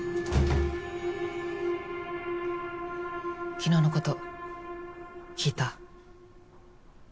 昨日のこと聞いた。